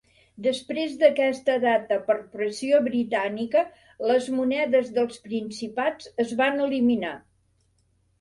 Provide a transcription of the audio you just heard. Després d'aquesta data per pressió britànica les monedes dels principats es van eliminar.